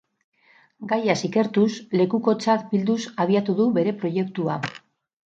Gaiaz ikertuz, lekukotzak bilduz abiatu du bere proiektua.